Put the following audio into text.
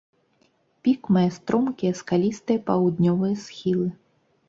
Пік мае стромкія скалістыя паўднёвыя схілы.